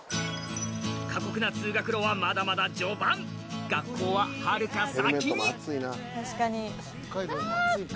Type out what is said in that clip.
過酷な通学路はまだまだ序盤学校ははるか先にあ！